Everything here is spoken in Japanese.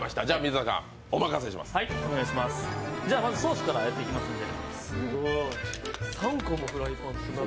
じゃあ、まずソースからやっていきますんで。